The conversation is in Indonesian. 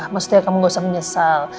maksudnya kamu nggak usah menyesal